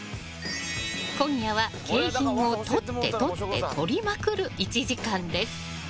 今夜は、景品をとってとってとりまくる１時間です。